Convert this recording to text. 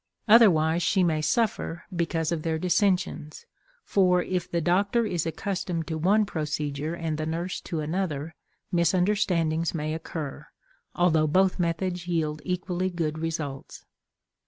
Otherwise she may suffer because of their dissensions, for, if the doctor is accustomed to one procedure and the nurse to another, misunderstandings may occur, although both methods yield equally good results.